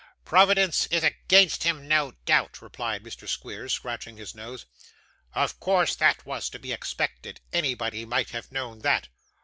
'Providence is against him, no doubt,' replied Mr. Squeers, scratching his nose. 'Of course; that was to be expected. Anybody might have known that.